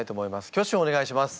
挙手をお願いします。